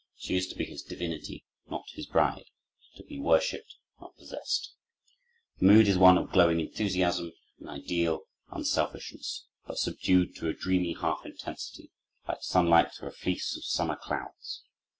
She is to be his divinity, not his bride; to be worshiped, not possessed. The mood is one of glowing enthusiasm and ideal unselfishness, but subdued to a dreamy, half intensity, like sunlight through a fleece of summer clouds.